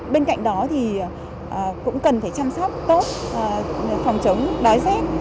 bên cạnh đó cũng cần chăm sóc tốt phòng chống đói xét